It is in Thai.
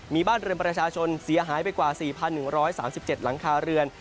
มีบ้านเรือนประชาชนเสียหายไปกว่า๔๑๓๗หลังคาเรือน